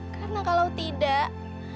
karena kalau tidak